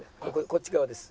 こっち側です。